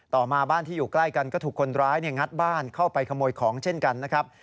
มาบ้านที่อยู่ใกล้กันก็ถูกคนร้ายงัดบ้านเข้าไปขโมยของเช่นกันนะครับ